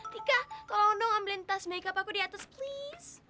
tika tolong dong ambilin tas makeup aku di atas please